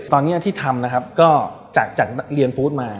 ตอนนี้ที่ทำนะครับก็จากเรียนฟู้ดมา